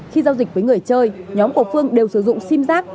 khi giao dịch với người chơi nhóm của phương đều sử dụng sim giác